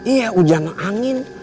iya hujannya angin